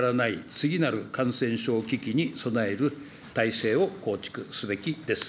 次なる感染症危機に備える体制を構築すべきです。